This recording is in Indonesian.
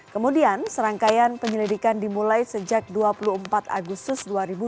kemudian serangkaian penyelidikan dimulai sejak dua puluh empat agustus dua ribu dua puluh